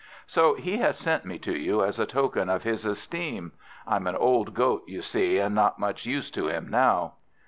So he has sent me to you as a token of his esteem. I'm an old Goat, you see, and not much use to him now.